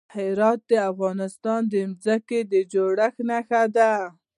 هرات د افغانستان د ځمکې د جوړښت نښه ده.